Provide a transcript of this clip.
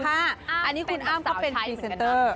อันนี้คุณอ้ำก็เป็นพรีเซนเตอร์